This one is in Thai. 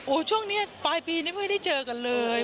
ช่วงนี้ปลายปีนี้ไม่ได้เจอกันเลย